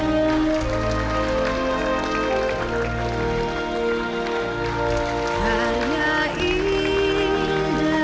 bagi bangsa yang memujanya